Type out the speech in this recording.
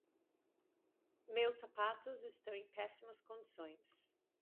Meus sapatos estão em péssimas condições.